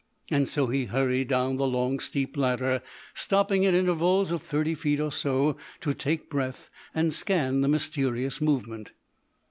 And so he hurried down the long steep ladder, stopping at intervals of thirty feet or so to take breath and scan the mysterious movement.